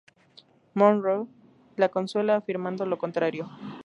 Monroe la consuela afirmando lo contrario.